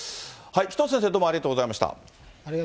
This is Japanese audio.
紀藤先生、どうもありがとうございました。